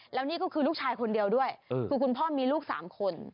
แล้วนี่ก็คือลูกชายคนเดียวด้วยคือคุณพ่อมีลูก๓คน